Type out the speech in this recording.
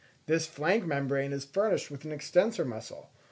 This flank membrane is furnished with an extensor muscle.